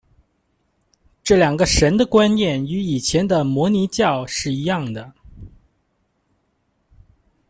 这两个神的观念与以前的摩尼教是一样的。